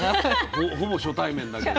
ほぼ初対面だけど。